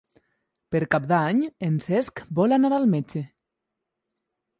Per Cap d'Any en Cesc vol anar al metge.